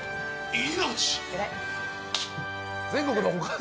「命！」。